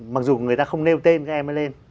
mặc dù người ta không nêu tên cái em ấy lên